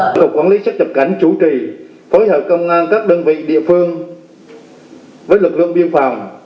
tổng cục quản lý xuất nhập cảnh chủ trì phối hợp công an các đơn vị địa phương với lực lượng biên phòng